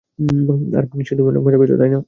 আচ্ছা, আমি নিশ্চিত তুমি অনেক মজা পেয়েছ।